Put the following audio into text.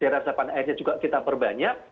di resapan airnya juga kita perbanyak